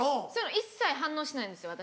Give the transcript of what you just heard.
一切反応しないんですよ私は。